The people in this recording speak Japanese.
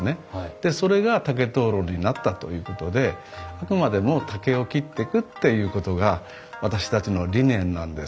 でそれが竹灯籠になったということであくまでも竹を切ってくっていうことが私たちの理念なんです。